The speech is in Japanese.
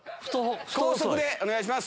高速でお願いします